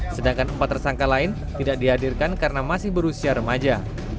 sedangkan empat tersangka lain tidak dihadirkan karena masih berusia remaja